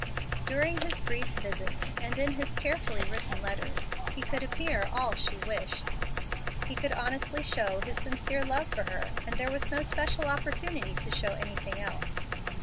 During his brief visits, and in his carefully written letters, he could appear all she wished. He could honestly show his sincere love for her, and there was no special opportunity to show anything else.